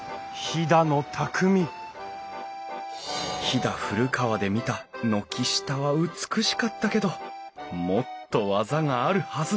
飛騨古川で見た軒下は美しかったけどもっと技があるはず！